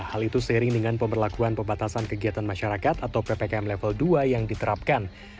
hal itu seiring dengan pemberlakuan pembatasan kegiatan masyarakat atau ppkm level dua yang diterapkan